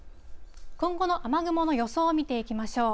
今後の雨雲の予想を見ていきましょう。